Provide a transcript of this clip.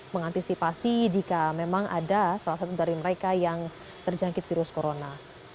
mengantisipasi jika memang ada salah satu dari mereka yang terjangkit virus corona